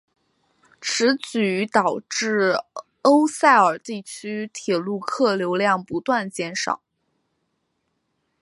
此举导致欧塞尔地区铁路客流量不断减少。